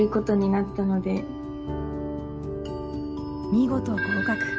見事合格。